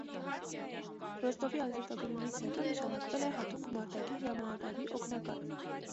Ռոստովի ազատագրումից հետո նշանակվել է հատուկ գումարտակի հրամանատարի օգնական։